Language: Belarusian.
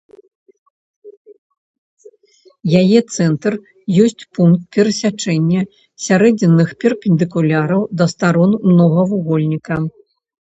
Яе цэнтр ёсць пункт перасячэння сярэдзінных перпендыкуляраў да старон многавугольніка.